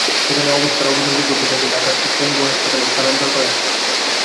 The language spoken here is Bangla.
সেখানে অবস্থার অবনতি ঘটলে তাঁকে ঢাকার পঙ্গু হাসপাতালে স্থানান্তর করা হয়।